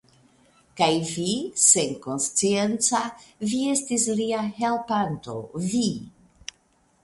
Kaj vi, senkonscienca, vi estis lia helpanto, vi!